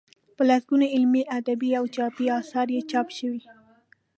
په لسګونو علمي، ادبي او تاریخي اثار یې چاپ شوي.